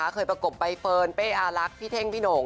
ประกบใบเฟิร์นเป้อารักพี่เท่งพี่หน่ง